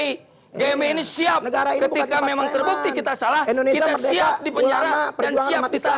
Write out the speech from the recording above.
ketika memang terbukti kita siap di penjara dan siap di tahan